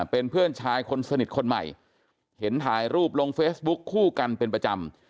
เป็นเพื่อนชายคนสนิทคนใหม่เห็นถ่ายรูปลงเฟซบุ๊คคู่กันเป็นประจำ